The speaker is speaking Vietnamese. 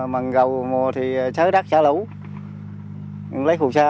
mằng gầu mùa thì xới đất xả lũ lấy phù sa